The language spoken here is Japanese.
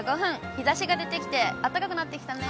日ざしが出てきて暖かくなってきたね。